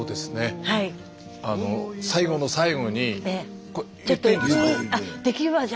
最後の最後にこれ言っていいんですか？